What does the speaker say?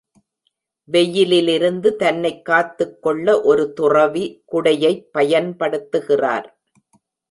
வெயிலிலிருந்து தன்னைக் காத்துக்கொள்ள ஒரு துறவி குடையைப் பயன்படுத்துகிறார்.